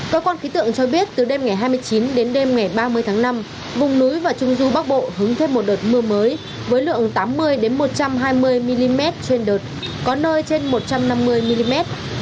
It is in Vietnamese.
cơ quan khí tượng cho biết từ đêm ngày hai mươi chín đến đêm ngày ba mươi tháng năm vùng núi và trung du bắc bộ hướng thêm một đợt mưa mới với lượng tám mươi một trăm hai mươi mm trên đợt có nơi trên một trăm năm mươi mm